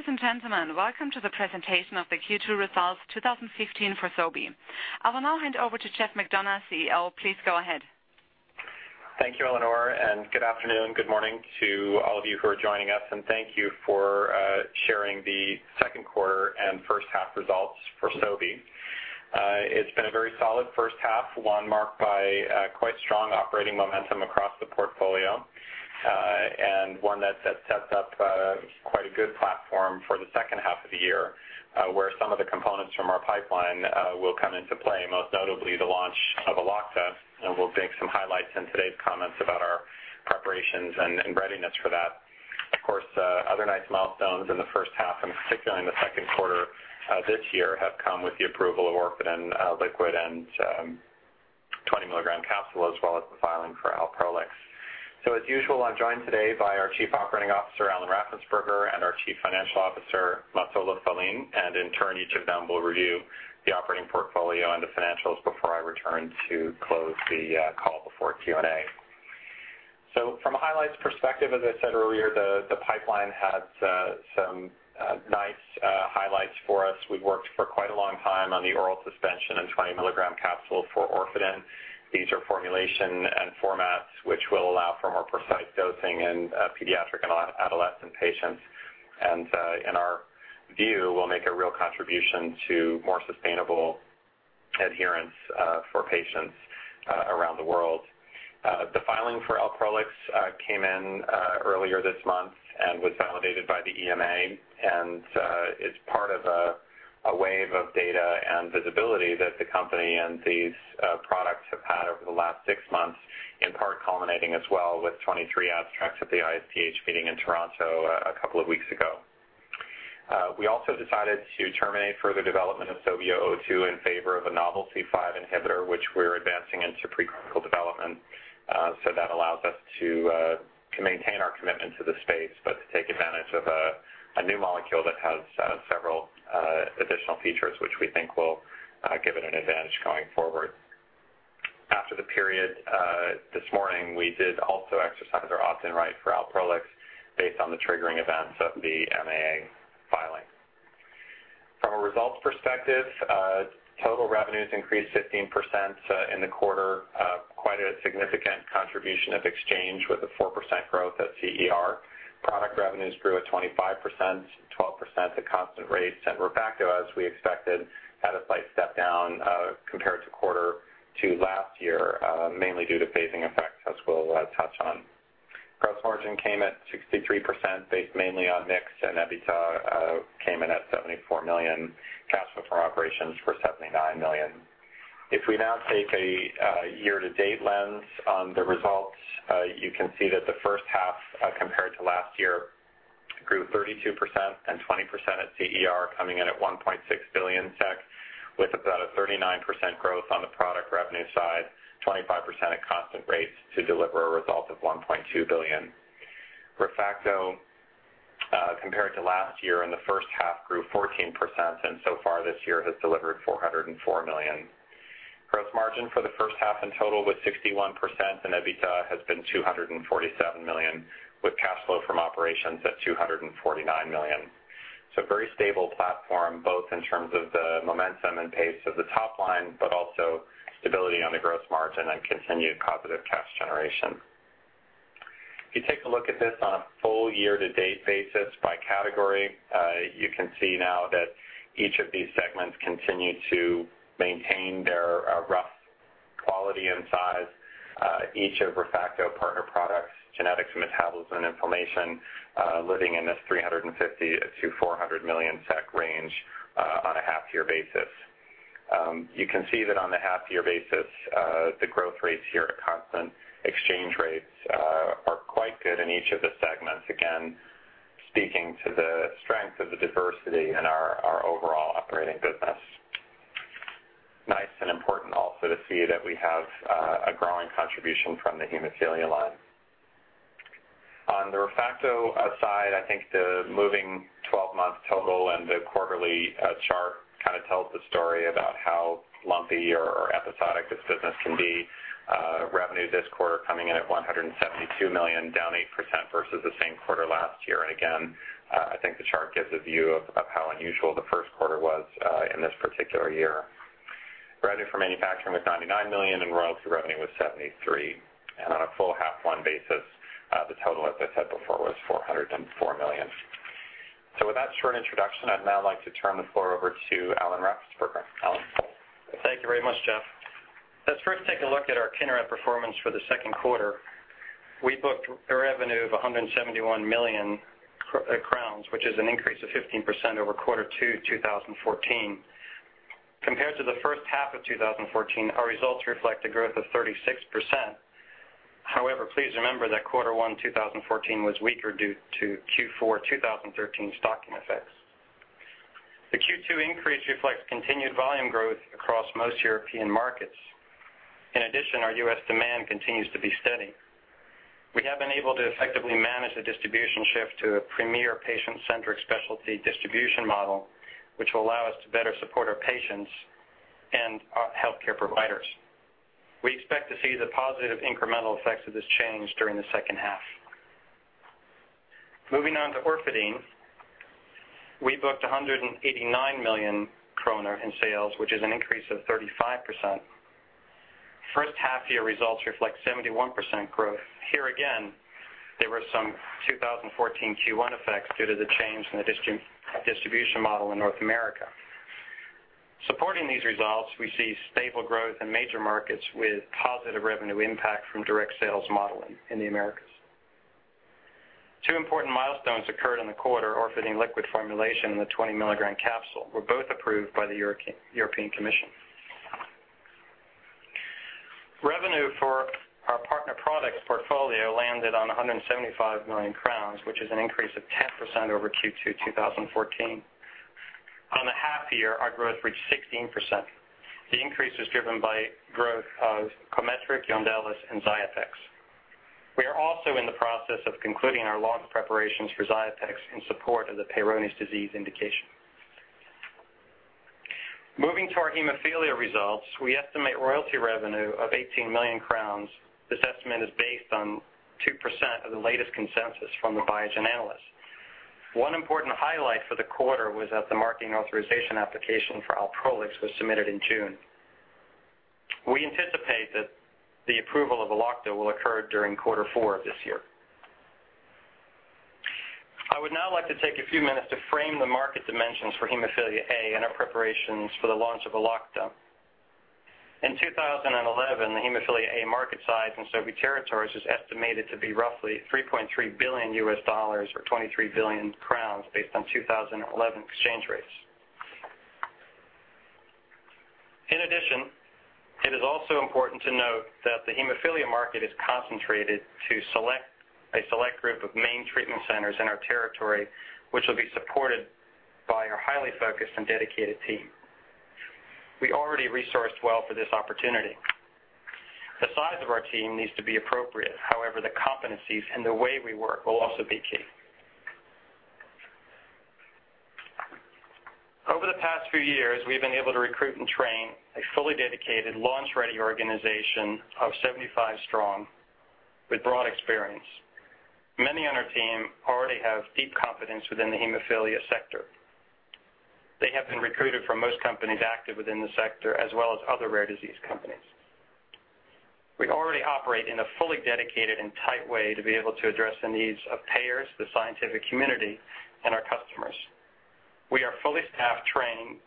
Ladies and gentlemen, welcome to the presentation of the Q2 results 2015 for Sobi. I will now hand over to Geoffrey McDonough, CEO. Please go ahead. Thank you, Eleanor, and good afternoon. Good morning to all of you who are joining us, and thank you for sharing the second quarter and first half results for Sobi. It's been a very solid first half, one marked by quite strong operating momentum across the portfolio, and one that sets up quite a good platform for the second half of the year, where some of the components from our pipeline will come into play, most notably the launch of Elocta, and we'll bring some highlights in today's comments about our preparations and readiness for that. Of course, other nice milestones in the first half, and particularly in the second quarter this year, have come with the approval of Orfadin liquid and 20 mg capsule, as well as the filing for Alprolix. As usual, I'm joined today by our Chief Operating Officer, Alan Raffensperger, and our Chief Financial Officer, Mats-Olof Wallin, and in turn, each of them will review the operating portfolio and the financials before I return to close the call before Q&A. From a highlights perspective, as I said earlier, the pipeline had some nice highlights for us. We worked for quite a long time on the oral suspension and 20 mg capsule for Orfadin. These are formulation and formats which will allow for more precise dosing in pediatric and adolescent patients, and in our view, will make a real contribution to more sustainable adherence for patients around the world. The filing for Alprolix came in earlier this month and was validated by the EMA, and it's part of a wave of data and visibility that the company and these products have had over the last six months, in part culminating as well with 23 abstracts at the ISTH meeting in Toronto a couple of weeks ago. We also decided to terminate further development of SOBI-02 in favor of a novel C5 inhibitor, which we're advancing into pre-clinical development. That allows us to maintain our commitment to the space, but to take advantage of a new molecule that has several additional features which we think will give it an advantage going forward. After the period this morning, we did also exercise our opt-in right for Alprolix based on the triggering events of the MAA filing. From a results perspective, total revenues increased 15% in the quarter. Quite a significant contribution of exchange with a 4% growth at CER. Product revenues grew at 25%, 12% at constant rates. ReFacto, as we expected, had a slight step down compared to quarter to last year, mainly due to phasing effects as we'll touch on. Gross margin came at 63%, based mainly on mix. EBITDA came in at 74 million. Cash flow from operations was 79 million. If we now take a year-to-date lens on the results, you can see that the first half, compared to last year, grew 32% and 20% at CER, coming in at 1.6 billion SEK with about a 39% growth on the product revenue side, 25% at constant rates to deliver a result of 1.2 billion. ReFacto, compared to last year in the first half, grew 14%. So far this year has delivered 404 million. Gross margin for the first half in total was 61%. EBITDA has been 247 million with cash flow from operations at 249 million. Very stable platform, both in terms of the momentum and pace of the top line, but also stability on the gross margin and continued positive cash generation. If you take a look at this on a full year-to-date basis by category, you can see now that each of these segments continue to maintain their rough quality and size. Each of ReFacto partner products, genetics, metabolism, inflammation, living in this 350 million-400 million SEK range on a half-year basis. You can see that on the half-year basis, the growth rates here at constant exchange rates are quite good in each of the segments, again, speaking to the strength of the diversity in our overall operating business. Nice and important also to see that we have a growing contribution from the haemophilia line. On the ReFacto side, I think the moving 12-month total and the quarterly chart kind of tells the story about how lumpy or episodic this business can be. Revenue this quarter coming in at 172 million, down 8% versus the same quarter last year. Again, I think the chart gives a view of how unusual the first quarter was in this particular year. Revenue for manufacturing was 99 million. Royalty revenue was 73 million. On a full half one basis, the total, as I said before, was 404 million. With that short introduction, I'd now like to turn the floor over to Alan Raffensperger. Alan? Thank you very much, Geoff. Let's first take a look at our Kineret performance for the second quarter. We booked a revenue of 171 million crowns, which is an increase of 15% over quarter two 2014. Compared to the first half of 2014, our results reflect a growth of 36%. However, please remember that quarter one 2014 was weaker due to Q4 2013 stocking effects. The Q2 increase reflects continued volume growth across most European markets. In addition, our U.S. demand continues to be steady. We have been able to effectively manage the distribution shift to a premier patient-centric specialty distribution model, which will allow us to better support our patients and our healthcare providers. We expect to see the positive incremental effects of this change during the second half. Moving on to Orfadin. We booked 189 million kronor in sales, which is an increase of 35%. First half-year results reflect 71% growth. Here again, there were some 2014 Q1 effects due to the change in the distribution model in North America. Supporting these results, we see stable growth in major markets with positive revenue impact from direct sales modeling in the Americas. Two important milestones occurred in the quarter. Orfadin liquid formulation and the 20 mg capsule were both approved by the European Commission. Revenue for our partner products portfolio landed on 175 million crowns, which is an increase of 10% over Q2 2014. On the half year, our growth reached 16%. The increase was driven by growth of Cometriq, Yondelis, and Xiapex. We are also in the process of concluding our launch preparations for Xiapex in support of the Peyronie's disease indication. Moving to our haemophilia results, we estimate royalty revenue of 18 million crowns. This estimate is based on 2% of the latest consensus from the Biogen analysts. One important highlight for the quarter was that the marketing authorization application for Alprolix was submitted in June. We anticipate that the approval of Elocta will occur during quarter four of this year. I would now like to take a few minutes to frame the market dimensions for haemophilia A and our preparations for the launch of Elocta. In 2011, the haemophilia A market size in Sobi territories was estimated to be roughly $3.3 billion or 23 billion crowns based on 2011 exchange rates. In addition, it is also important to note that the haemophilia market is concentrated to a select group of main treatment centers in our territory, which will be supported by our highly focused and dedicated team. We already resourced well for this opportunity. The size of our team needs to be appropriate. The competencies and the way we work will also be key. Over the past few years, we've been able to recruit and train a fully dedicated, launch-ready organization of 75 strong with broad experience. Many on our team already have deep competence within the haemophilia sector. They have been recruited from most companies active within the sector, as well as other rare disease companies. We already operate in a fully dedicated and tight way to be able to address the needs of payers, the scientific community, and our customers. We are fully staffed, trained,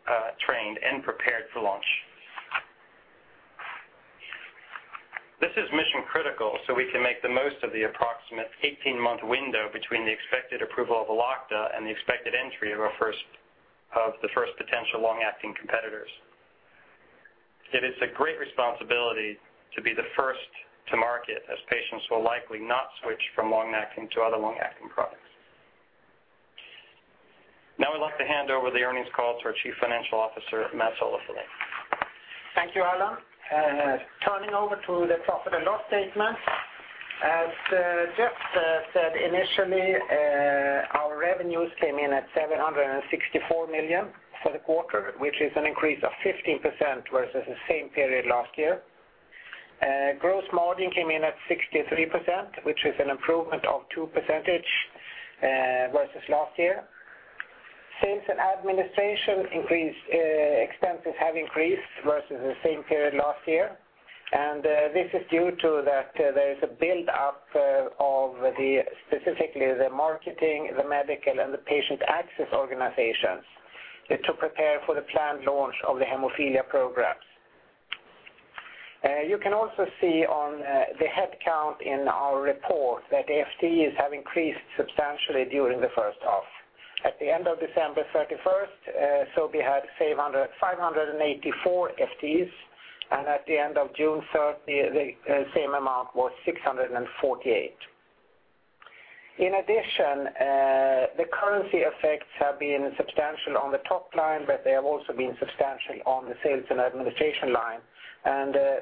and prepared for launch. This is mission critical so we can make the most of the approximate 18-month window between the expected approval of Elocta and the expected entry of the first potential long-acting competitors. It is a great responsibility to be the first to market, as patients will likely not switch from long-acting to other long-acting products. I'd like to hand over the earnings call to our Chief Financial Officer, Mats-Olof Wallin. Thank you, Alan. Turning over to the profit and loss statement. As Jeff said initially, our revenues came in at 764 million for the quarter, which is an increase of 15% versus the same period last year. Gross margin came in at 63%, which is an improvement of 2 percentage versus last year. Sales and administration expenses have increased versus the same period last year. This is due to that there is a build-up of specifically the marketing, the medical, and the patient access organizations to prepare for the planned launch of the haemophilia programs. You can also see on the headcount in our report that FTEs have increased substantially during the first half. At the end of December 31st, Sobi had 584 FTEs. At the end of June 30th, the same amount was 648. In addition, the currency effects have been substantial on the top line, but they have also been substantial on the sales and administration line.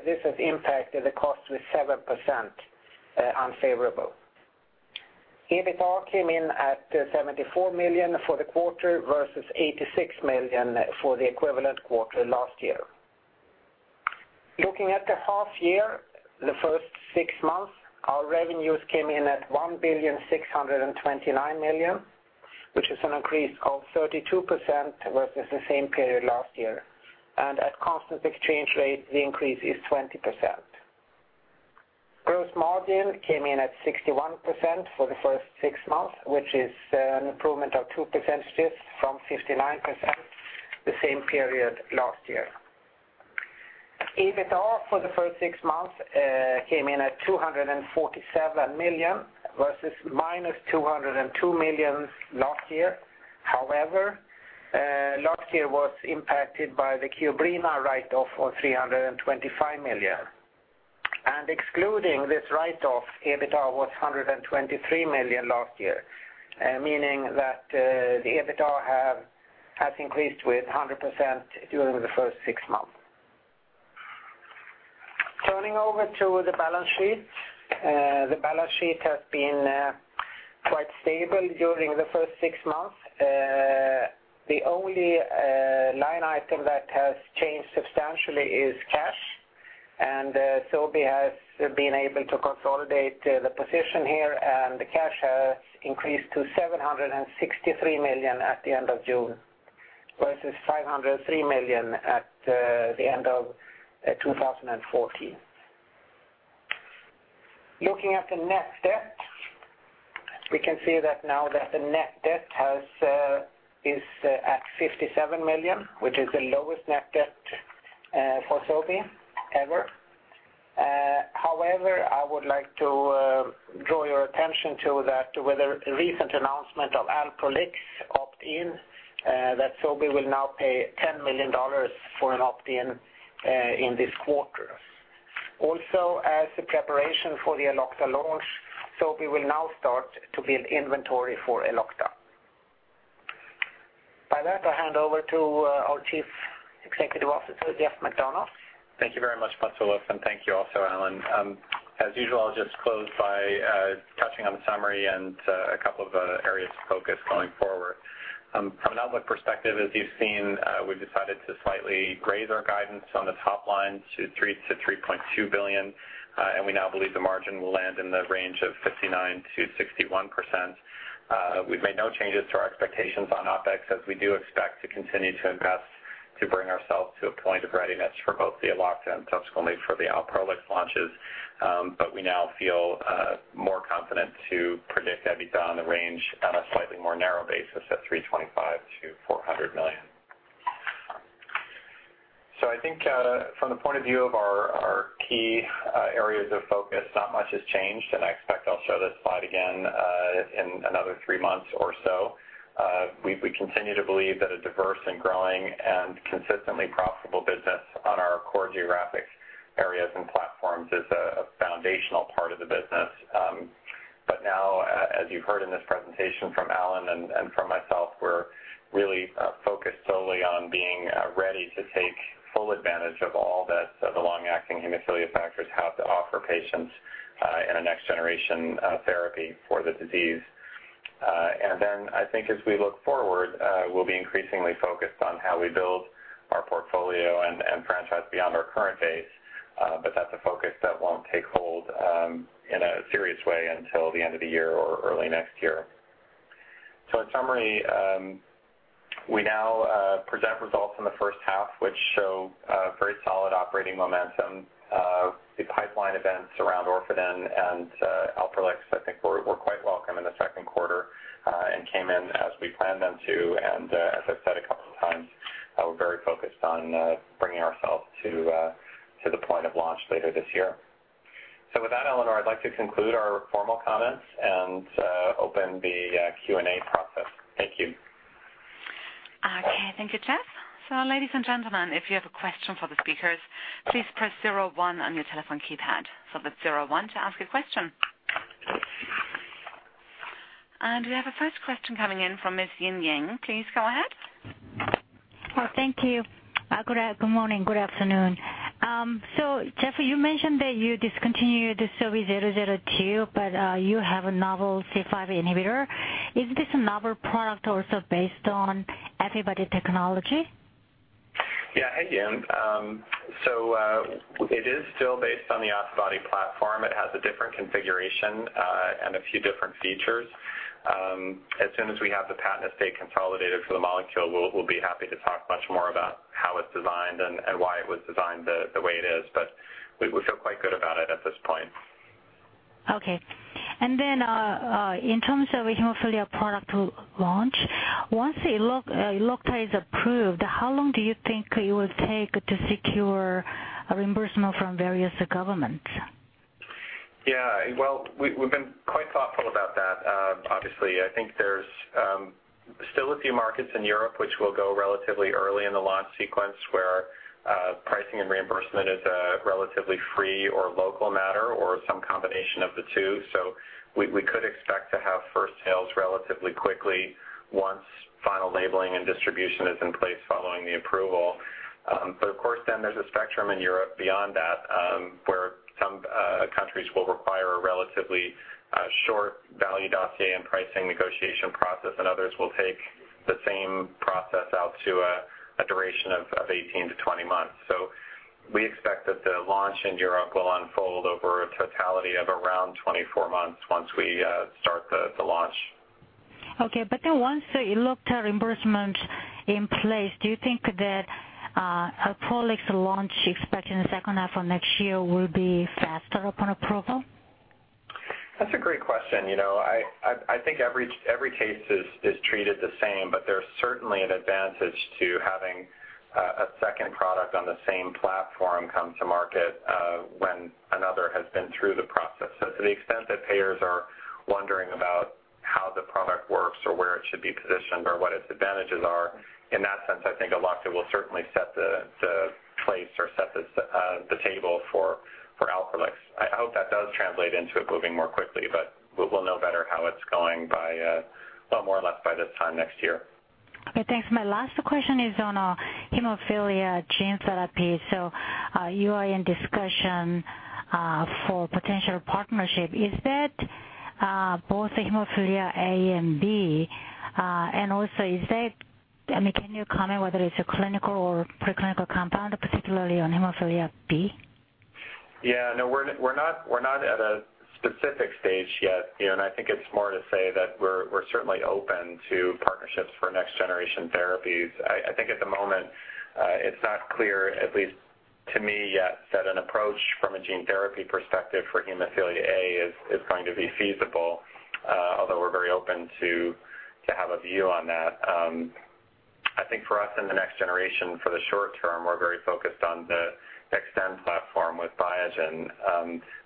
This has impacted the cost with 7% unfavorable. EBITDA came in at 74 million for the quarter versus 86 million for the equivalent quarter last year. Looking at the half year, the first six months, our revenues came in at 1,629 million, which is an increase of 32% versus the same period last year. At constant exchange rate, the increase is 20%. Gross margin came in at 61% for the first six months, which is an improvement of 2 percentages from 59% the same period last year. EBITDA for the first six months came in at 247 million versus -202 million last year. However, last year was impacted by the Kiobrina write-off of 325 million. Excluding this write-off, EBITDA was 123 million last year, meaning that the EBITDA has increased with 100% during the first six months. Turning over to the balance sheet. The balance sheet has been stable during the first six months. The only line item that has changed substantially is cash. Sobi has been able to consolidate the position here. The cash has increased to 763 million at the end of June, versus 503 million at the end of 2014. Looking at the net debt, we can see that now that the net debt is at 57 million, which is the lowest net debt for Sobi ever. However, I would like to draw your attention to that with a recent announcement of Alprolix opt-in, that Sobi will now pay $10 million for an opt-in in this quarter. As a preparation for the Elocta launch, Sobi will now start to build inventory for Elocta. By that, I hand over to our Chief Executive Officer, Jeff McDonough. Thank you very much, Mats-Olof, and thank you also, Alan. As usual, I'll just close by touching on the summary and a couple of areas of focus going forward. From an outlook perspective, as you've seen, we've decided to slightly raise our guidance on the top line to 3 billion-3.2 billion, and we now believe the margin will land in the range of 59%-61%. We've made no changes to our expectations on OpEx, as we do expect to continue to invest to bring ourselves to a point of readiness for both the Elocta and subsequently for the ALPROLIX launches. We now feel more confident to predict EBITDA on the range on a slightly more narrow basis at 325 million-400 million. I think from the point of view of our key areas of focus, not much has changed, and I expect I'll show this slide again in another three months or so. We continue to believe that a diverse and growing and consistently profitable business on our core geographic areas and platforms is a foundational part of the business. Now, as you've heard in this presentation from Alan and from myself, we're really focused solely on being ready to take full advantage of all that the long-acting hemophilia factors have to offer patients in a next-generation therapy for the disease. I think as we look forward, we'll be increasingly focused on how we build our portfolio and franchise beyond our current base. That's a focus that won't take hold in a serious way until the end of the year or early next year. In summary, we now present results from the first half, which show very solid operating momentum. The pipeline events around Orfadin and ALPROLIX I think were quite welcome in the second quarter and came in as we planned them to. As I've said a couple of times, we're very focused on bringing ourselves to the point of launch later this year. With that, Eleanor, I'd like to conclude our formal comments and open the Q&A process. Thank you. Okay. Thank you, Geoff. Ladies and gentlemen, if you have a question for the speakers, please press zero one on your telephone keypad. That's zero one to ask a question. We have a first question coming in from Ms. Yin Ying. Please go ahead. Well, thank you. Good morning, good afternoon. Jeff, you mentioned that you discontinued the SOBI-02, but you have a novel C5 inhibitor. Is this a novel product also based on antibody technology? Yeah. Hey, Yin. It is still based on the antibody platform. It has a different configuration and a few different features. As soon as we have the patent estate consolidated for the molecule, we'll be happy to talk much more about how it's designed and why it was designed the way it is. We feel quite good about it at this point. Okay. In terms of a hemophilia product launch, once Elocta is approved, how long do you think it will take to secure a reimbursement from various governments? Yeah. Well, we've been quite thoughtful about that. Obviously, I think there's still a few markets in Europe which will go relatively early in the launch sequence, where pricing and reimbursement is a relatively free or local matter or some combination of the two. We could expect to have first sales relatively quickly once final labeling and distribution is in place following the approval. Of course then there's a spectrum in Europe beyond that, where some countries will require a relatively short value dossier and pricing negotiation process, and others will take the same process out to a duration of 18-20 months. We expect that the launch in Europe will unfold over a totality of around 24 months once we start the launch. Once Elocta reimbursement in place, do you think that ALPROLIX launch, expected in the second half of next year, will be faster upon approval? That's a great question. I think every case is treated the same, but there's certainly an advantage to having a second product on the same platform come to market when another has been through the process. To the extent that payers are wondering about how the product works or where it should be positioned or what its advantages are, in that sense, I think Elocta will certainly set the place or set the table for ALPROLIX. I hope that does translate into it moving more quickly, but we'll know better how it's going by, well, more or less by this time next year. Okay, thanks. My last question is on haemophilia gene therapy. You are in discussion for potential partnership. Is that both haemophilia A and B? Also, can you comment whether it's a clinical or preclinical compound, particularly on haemophilia B? Yeah, no, we're not at a specific stage yet. I think it's more to say that we're certainly open to partnerships for next generation therapies. I think at the moment, it's not clear, at least to me yet, that an approach from a gene therapy perspective for haemophilia A is going to be feasible. Although we're very open to have a view on that. I think for us in the next generation, for the short term, we're very focused on the XTEND platform with Biogen.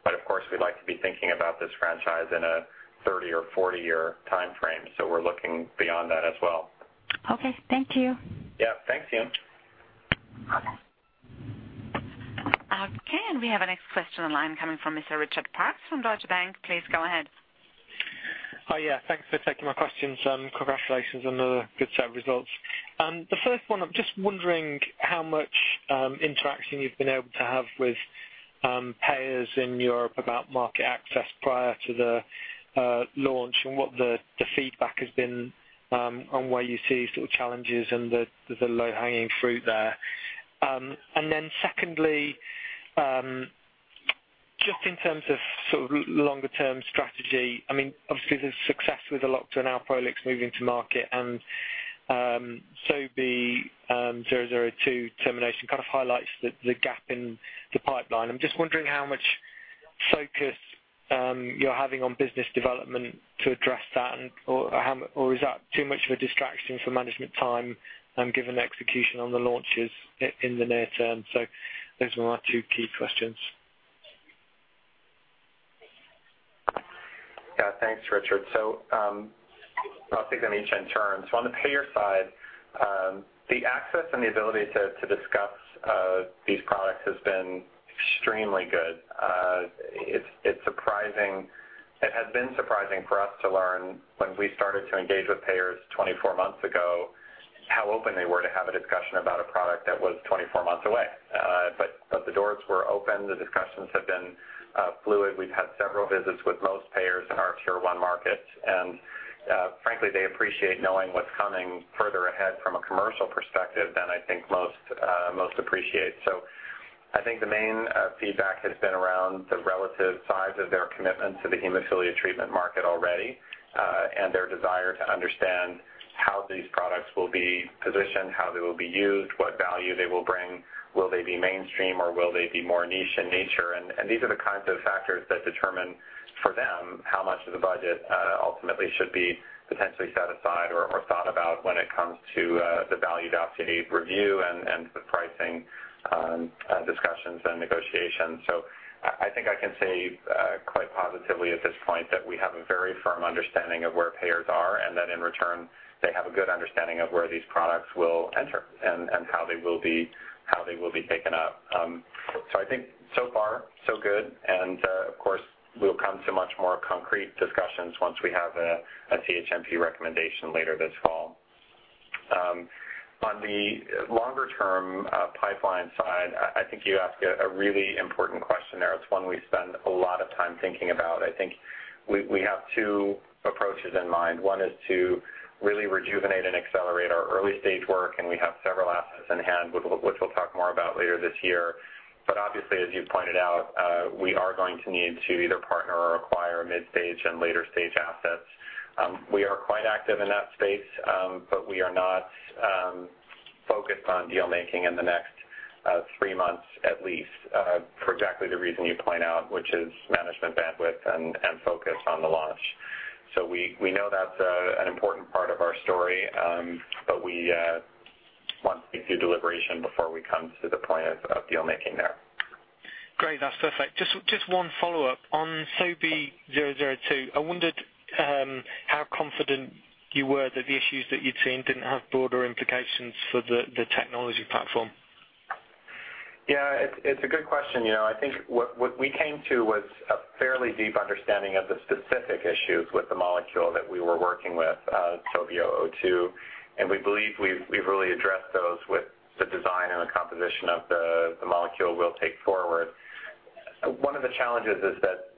Of course, we'd like to be thinking about this franchise in a 30- or 40-year time frame. We're looking beyond that as well. Okay, thank you. Yeah, thanks, Yin. Okay, we have our next question on the line coming from Mr. Richard Parkes from Deutsche Bank. Please go ahead. Hi. Yeah, thanks for taking my questions, and congratulations on the good set of results. The first one, I'm just wondering how much interaction you've been able to have with payers in Europe about market access prior to the launch and what the feedback has been, on where you see sort of challenges and the low-hanging fruit there. Secondly, just in terms of longer term strategy, obviously, there's success with Elocta now ALPROLIX moving to market and SOBI-02 termination kind of highlights the gap in the pipeline. I'm just wondering how much focus you're having on business development to address that, or is that too much of a distraction for management time, given the execution on the launches in the near term? Those are my two key questions. Yeah. Thanks, Richard. I'll take them each in turn. On the payer side the access and the ability to discuss these products has been extremely good. It has been surprising for us to learn when we started to engage with payers 24 months ago, how open they were to have a discussion about a product that was 24 months away. The doors were open. The discussions have been fluid. We've had several visits with most payers in our Tier 1 markets, and frankly, they appreciate knowing what's coming further ahead from a commercial perspective than I think most appreciate. I think the main feedback has been around the relative size of their commitment to the hemophilia treatment market already, and their desire to understand how these products will be positioned, how they will be used, what value they will bring, will they be mainstream, or will they be more niche in nature? These are the kinds of factors that determine for them how much of the budget ultimately should be potentially set aside or thought about when it comes to the value adoption review and the pricing discussions and negotiations. I think I can say quite positively at this point that we have a very firm understanding of where payers are, and that in return, they have a good understanding of where these products will enter and how they will be taken up. I think so far so good. Of course, we'll come to much more concrete discussions once we have a CHMP recommendation later this fall. On the longer term pipeline side, I think you ask a really important question there. It's one we spend a lot of time thinking about. I think we have two approaches in mind. One is to really rejuvenate and accelerate our early-stage work, and we have several assets in hand, which we'll talk more about later this year. Obviously, as you pointed out, we are going to need to either partner or acquire mid-stage and later-stage assets. We are quite active in that space, but we are not focused on deal-making in the next three months at least, for exactly the reason you point out, which is management bandwidth and focus on the launch. We know that's an important part of our story, we want to do deliberation before we come to the point of deal-making there. Great. That's perfect. Just one follow-up on SOBI-02. I wondered how confident you were that the issues that you'd seen didn't have broader implications for the technology platform. Yeah. It's a good question. I think what we came to was a fairly deep understanding of the specific issues with the molecule that we were working with, SOBI-02. We believe we've really addressed those with the design and the composition of the molecule we'll take forward. One of the challenges is that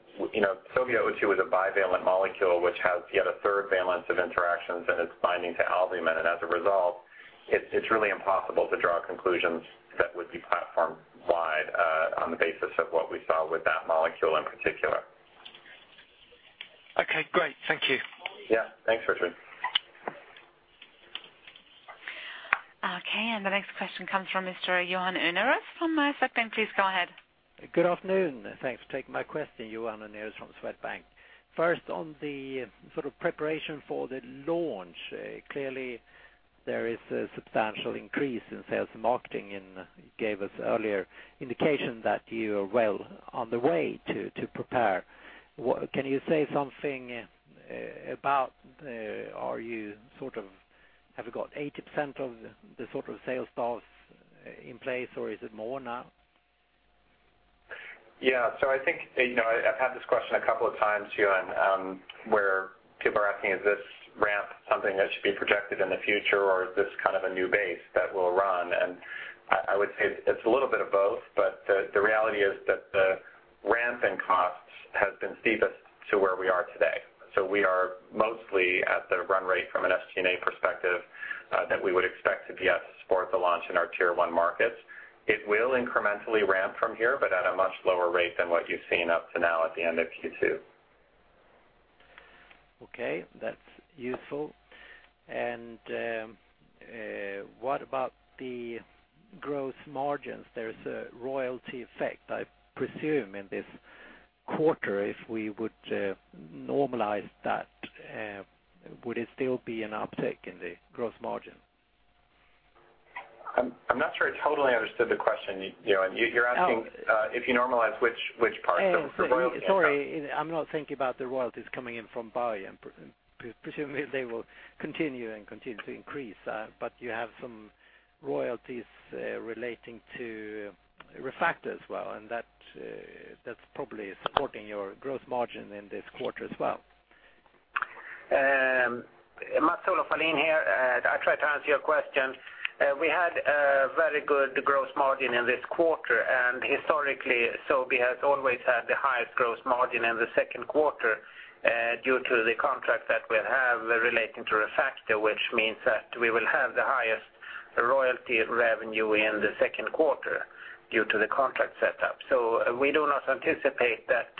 SOBI-02 is a bivalent molecule which has yet a third valence of interactions. It's binding to albumin. As a result, it's really impossible to draw conclusions that would be platform-wide on the basis of what we saw with that molecule in particular. Okay, great. Thank you. Yeah. Thanks, Richard. Okay. The next question comes from Mr. Johan Unnerus from Swedbank. Please go ahead. Good afternoon. Thanks for taking my question. Johan Unnerus from Swedbank. On the sort of preparation for the launch, clearly there is a substantial increase in sales and marketing, and you gave us earlier indication that you are well on the way to prepare. Can you say something about have you got 80% of the sort of sales staff in place, or is it more now? I think I've had this question a couple of times too, where people are asking, is this ramp something that should be projected in the future, or is this kind of a new base that will run? I would say it's a little bit of both, but the reality is that the ramp in costs has been steepest to where we are today. We are mostly at the run rate from an SG&A perspective that we would expect to be at to support the launch in our Tier 1 markets. It will incrementally ramp from here, but at a much lower rate than what you've seen up to now at the end of Q2. Okay. That's useful. What about the growth margins? There's a royalty effect, I presume, in this quarter. If we would normalize that, would it still be an uptick in the gross margin? I'm not sure I totally understood the question. You're asking if you normalize which parts of the royalty? Sorry, I'm not thinking about the royalties coming in from Biogen. Presumably, they will continue and continue to increase. You have some royalties relating to ReFacto as well, and that's probably supporting your growth margin in this quarter as well. Mats-Olof Wallin here. I'll try to answer your question. We had a very good gross margin in this quarter. Historically, Sobi has always had the highest gross margin in the second quarter due to the contract that we have relating to ReFacto, which means that we will have the highest royalty revenue in the second quarter due to the contract set-up. We do not anticipate that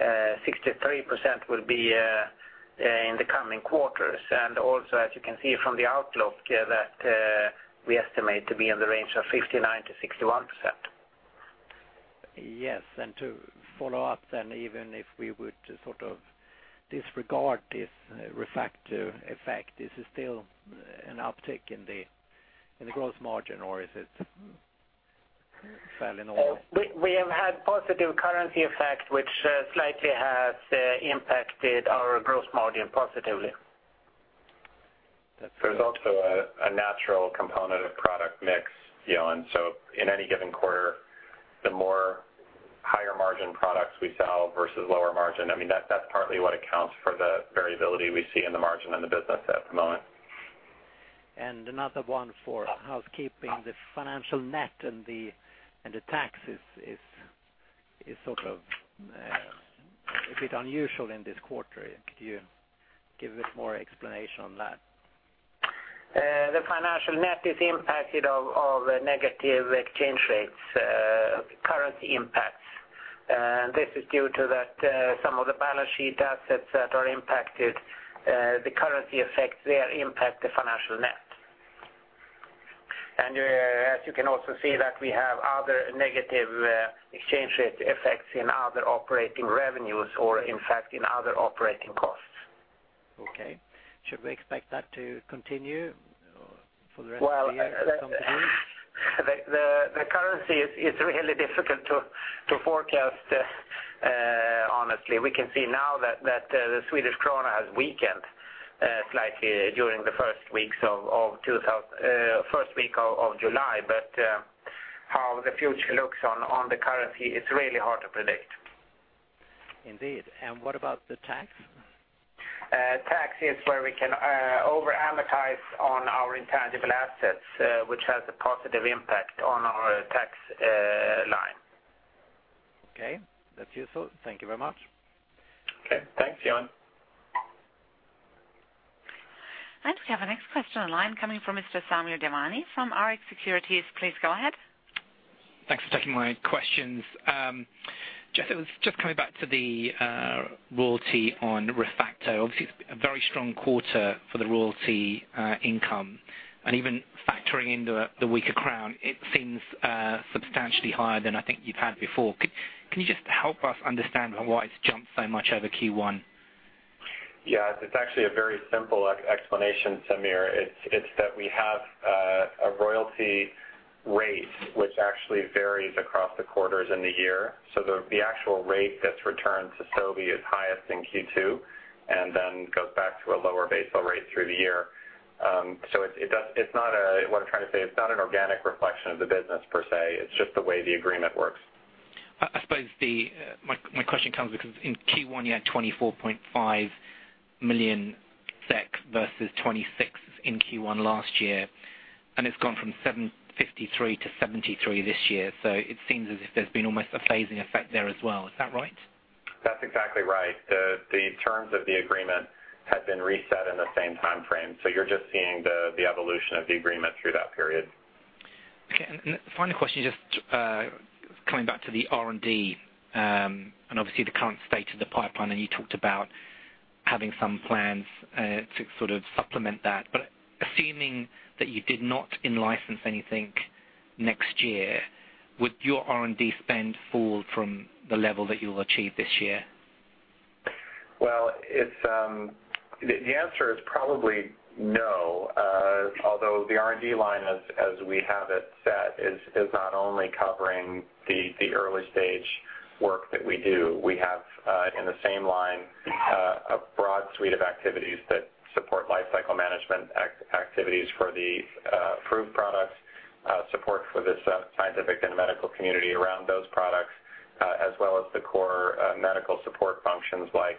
63% will be in the coming quarters. Also, as you can see from the outlook, that we estimate to be in the range of 59%-61%. Yes. To follow up then, even if we would sort of disregard this ReFacto effect, is it still an uptick in the gross margin, or is it fairly normal? We have had positive currency effect, which slightly has impacted our gross margin positively. That's useful. There's also a natural component of product mix. In any given quarter, the more higher-margin products we sell versus lower margin, that's partly what accounts for the variability we see in the margin in the business at the moment. Another one for housekeeping, the financial net and the tax is sort of a bit unusual in this quarter. Could you give a bit more explanation on that? The financial net is impacted of negative exchange rates, currency impacts. This is due to that some of the balance sheet assets that are impacted, the currency effects there impact the financial net. As you can also see that we have other negative exchange rate effects in other operating revenues or in fact in other operating costs. Okay. Should we expect that to continue for the rest of the year to some degree? Well, the currency is really difficult to forecast, honestly. We can see now that the Swedish krona has weakened slightly during the first week of July. How the future looks on the currency, it's really hard to predict. Indeed. What about the tax? Tax is where we can over-amortize on our intangible assets, which has a positive impact on our tax line. Okay. That's useful. Thank you very much. Okay. Thanks, Johan. We have our next question on line coming from Mr. Samir Devani from RX Securities. Please go ahead. Thanks for taking my questions. Geoff, it was just coming back to the royalty on ReFacto. Obviously, it's a very strong quarter for the royalty income, even factoring in the weaker SEK, it seems substantially higher than I think you've had before. Can you just help us understand why it's jumped so much over Q1? Yeah, it's actually a very simple explanation, Samir. It's that we have a royalty rate which actually varies across the quarters in the year. The actual rate that's returned to Sobi is highest in Q2 and then goes back to a lower base rate through the year. What I'm trying to say, it's not an organic reflection of the business per se, it's just the way the agreement works. I suppose my question comes because in Q1 you had 24.5 million SEK versus 26 in Q1 last year, it's gone from 753 to 73 this year. It seems as if there's been almost a phasing effect there as well. Is that right? That's exactly right. The terms of the agreement had been reset in the same time frame. You're just seeing the evolution of the agreement through that period. Okay. Final question, just coming back to the R&D and obviously the current state of the pipeline, you talked about having some plans to sort of supplement that. Assuming that you did not in-license anything next year, would your R&D spend fall from the level that you'll achieve this year? The answer is probably no. Although the R&D line as we have it set is not only covering the early-stage work that we do. We have in the same line a broad suite of activities that support life cycle management activities for the approved products, support for the scientific and medical community around those products, as well as the core medical support functions like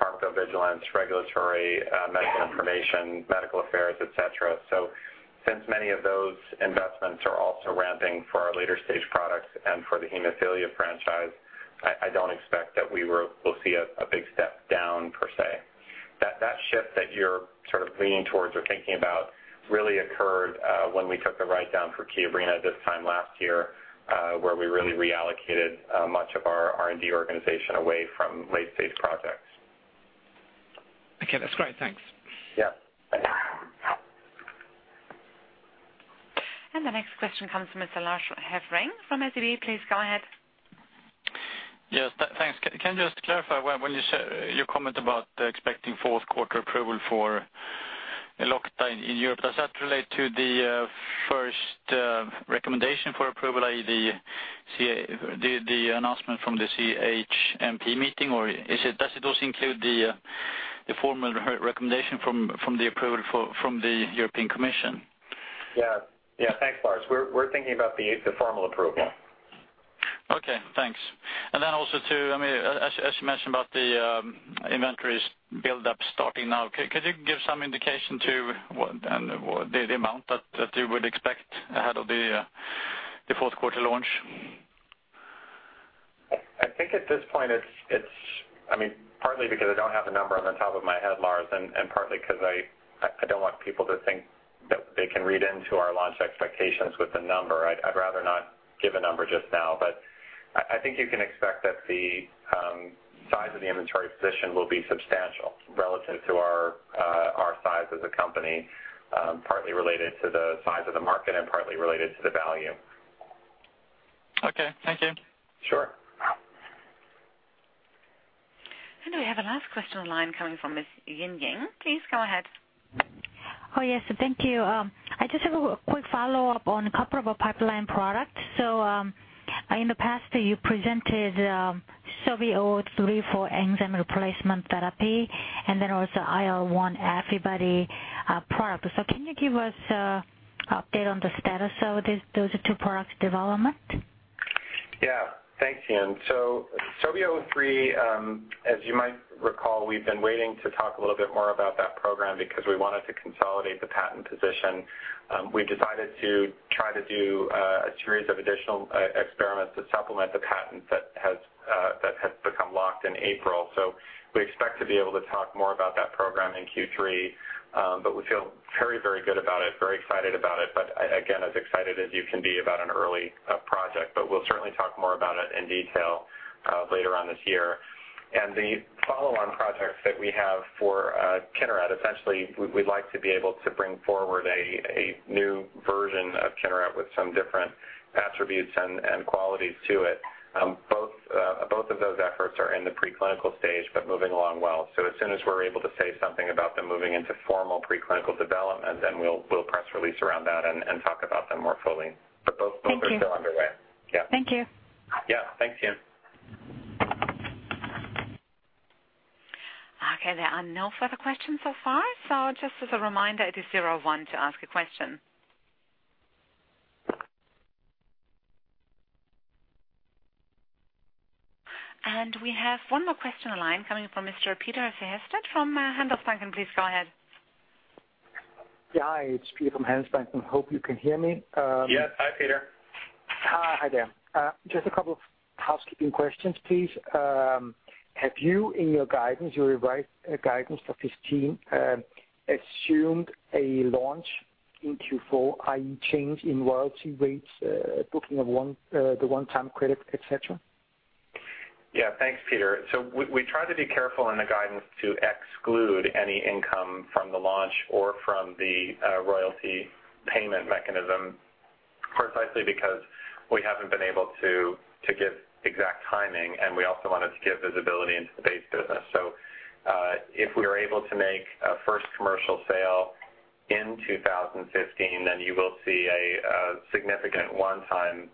Pharmacovigilance, regulatory, medical information, medical affairs, et cetera. Since many of those investments are also ramping for our later-stage products and for the hemophilia franchise, I don't expect that we will see a big step down, per se. That shift that you're sort of leaning towards or thinking about really occurred when we took the write-down for Kiobrina this time last year, where we really reallocated much of our R&D organization away from late-stage projects. Okay, that's great. Thanks. Yeah. The next question comes from Mr. Lars Hevreng from SEB. Please go ahead. Yes, thanks. Can you just clarify, your comment about expecting fourth quarter approval for Elocta in Europe, does that relate to the first recommendation for approval, i.e., the announcement from the CHMP meeting, or does it also include the formal recommendation from the approval from the European Commission? Yeah. Thanks, Lars. We're thinking about the formal approval. Okay, thanks. Also too, as you mentioned about the inventories build-up starting now, could you give some indication too, the amount that you would expect ahead of the fourth quarter launch? I think at this point, partly because I don't have the number off the top of my head, Lars, and partly because I don't want people to think that they can read into our launch expectations with a number. I'd rather not give a number just now, but I think you can expect that the size of the inventory position will be substantial relative to our size as a company, partly related to the size of the market and partly related to the value. Okay, thank you. Sure. We have a last question on the line coming from Ms. Yin Ying. Please go ahead. Yes. Thank you. I just have a quick follow-up on a couple of pipeline products. In the past you presented SOBI-03 for enzyme replacement therapy and then also IL-1 antibody product. Can you give us an update on the status of those two products' development? Thanks, Yin. SOBI-03, as you might recall, we've been waiting to talk a little bit more about that program because we wanted to consolidate the patent position. We decided to try to do a series of additional experiments to supplement the patent that has become locked in April. We expect to be able to talk more about that program in Q3. We feel very good about it, very excited about it. Again, as excited as you can be about an early project. We'll certainly talk more about it in detail later on this year. The follow-on projects that we have for Kineret, essentially, we'd like to be able to bring forward a new version of Kineret with some different attributes and qualities to it. Both of those efforts are in the pre-clinical stage, but moving along well. As soon as we're able to say something about them moving into formal pre-clinical development, then we'll press release around that and talk about them more fully. Thank you. Both are still underway. Yeah. Thank you. Yeah. Thanks, Yin. Okay. There are no further questions so far. Just as a reminder, it is zero one to ask a question. We have one more question on the line coming from Mr. Peter Sehested from Handelsbanken. Please go ahead. Yeah. Hi, it's Peter from Handelsbanken. Hope you can hear me. Yes. Hi, Peter. Hi there. Just a couple of housekeeping questions, please. Have you, in your guidance, your revised guidance for 2015, assumed a launch in Q4, i.e., change in royalty rates, booking of the one-time credit, et cetera? Thanks, Peter. We try to be careful in the guidance to exclude any income from the launch or from the royalty payment mechanism, precisely because we haven't been able to give exact timing. We also wanted to give visibility into the base business. If we are able to make a first commercial sale in 2015, then you will see a significant one-time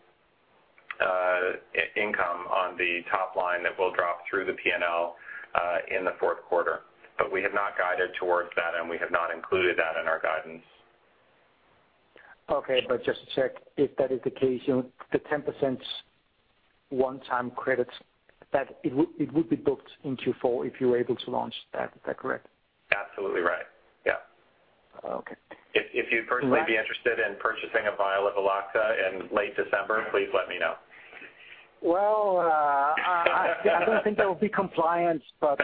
income on the top line that will drop through the P&L in the fourth quarter. We have not guided towards that, and we have not included that in our guidance. Just to check if that is the case, the 10% one-time credit, that it would be booked in Q4 if you were able to launch that. Is that correct? Absolutely right. Okay. If you'd personally be interested in purchasing a vial of Elocta in late December, please let me know. I don't think that would be compliant. No.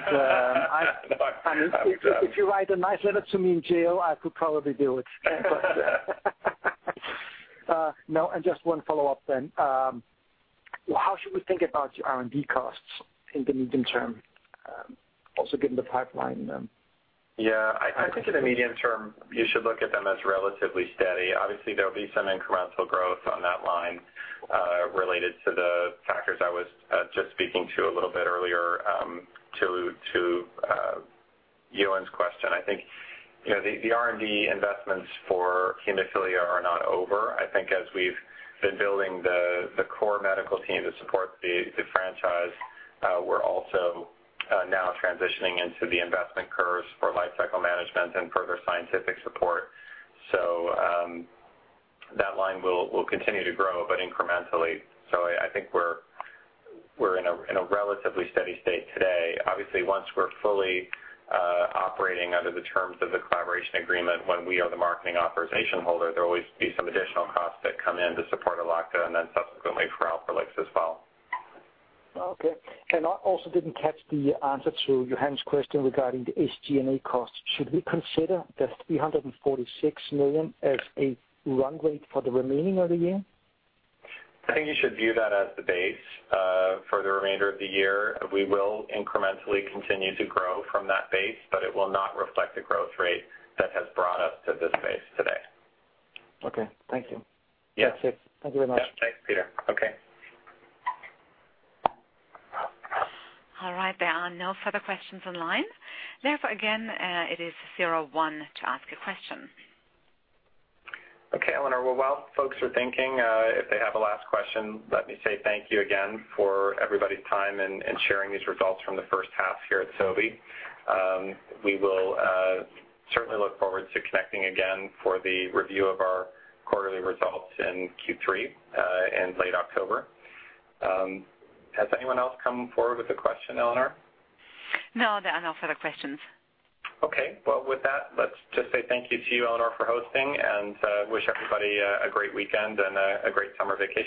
if you write a nice letter to me in jail, I could probably do it. No. Just one follow-up then. How should we think about your R&D costs in the medium term, also given the pipeline then? Yeah. I think in the medium term, you should look at them as relatively steady. Obviously, there will be some incremental growth on that line related to the factors I was just speaking to a little bit earlier to Johan's question. I think the R&D investments for haemophilia are not over. I think as we have been building the core medical team to support the franchise, we are also now transitioning into the investment curves for lifecycle management and further scientific support. That line will continue to grow, but incrementally. I think we are in a relatively steady state today. Obviously, once we are fully operating under the terms of the collaboration agreement, when we are the marketing authorization holder, there will always be some additional costs that come in to support Elocta, and then subsequently for Alprolix as well. Okay. I also did not catch the answer to Johan's question regarding the SG&A costs. Should we consider the 346 million as a run rate for the remaining of the year? I think you should view that as the base for the remainder of the year. We will incrementally continue to grow from that base, but it will not reflect the growth rate that has brought us to this base today. Okay. Thank you. Yeah. That's it. Thank you very much. Yeah. Thanks, Peter. Okay. All right. There are no further questions on the line. Again, it is 01 to ask a question. Okay, Eleanor. Well, while folks are thinking, if they have a last question, let me say thank you again for everybody's time and sharing these results from the first half here at Sobi. We will certainly look forward to connecting again for the review of our quarterly results in Q3 in late October. Has anyone else come forward with a question, Eleanor? No, there are no further questions. Okay. Well, with that, let's just say thank you to you, Eleanor, for hosting, and wish everybody a great weekend and a great summer vacation.